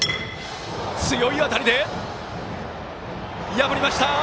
破りました！